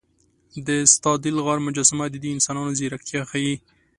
د ستادل غار مجسمه د دې انسانانو ځیرکتیا ښيي.